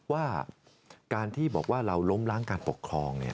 ว่าการที่บอกว่าเราล้มล้างการปกครอง